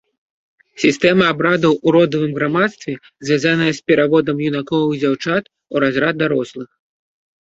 Сістэма абрадаў у родавым грамадстве, звязаная з пераводам юнакоў і дзяўчат у разрад дарослых.